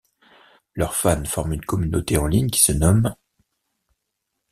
Leurs fans forment une communauté en ligne qui se nomme '.